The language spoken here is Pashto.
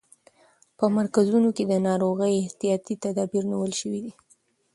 په مرکزونو کې د ناروغۍ احتیاطي تدابیر نیول شوي دي.